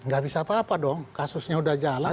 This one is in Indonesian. gak bisa apa apa dong kasusnya udah jalan